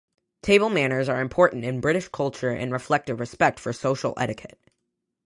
Table manners are important in British culture and reflect a respect for social etiquette.